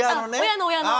親の親の。